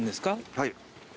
はい。